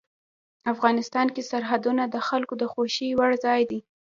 افغانستان کې سرحدونه د خلکو د خوښې وړ ځای دی.